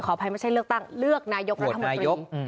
อภัยไม่ใช่เลือกตั้งเลือกนายกรัฐมนตรี